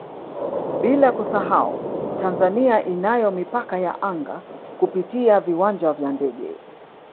Bila kusahau Tanzania inayo Mipaka ya Anga kupitia viwanja vya ndege